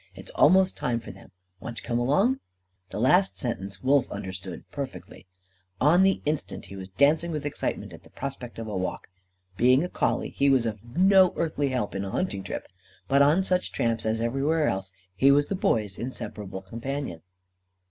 It's almost time for them. Want to come along?" The last sentence Wolf understood perfectly. On the instant he was dancing with excitement at the prospect of a walk. Being a collie, he was of no earthly help in a hunting trip; but, on such tramps, as everywhere else, he was the Boy's inseparable companion.